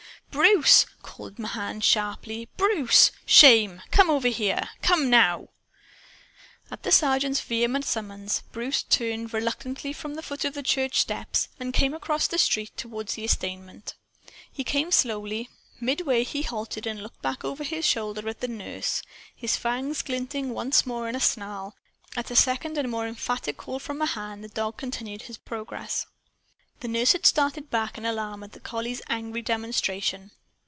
"Bruce!" called Mahan sharply. "BRUCE! Shame! Come over here! Come, NOW!" At the Sergeant's vehement summons Bruce turned reluctantly away from the foot of the church steps and came across the street toward the estaminet. He came slowly. Midway he halted and looked back over his shoulder at the nurse, his fangs glinting once more in a snarl. At a second and more emphatic call from Mahan the dog continued his progress. The nurse had started back in alarm at the collie's angry demonstration.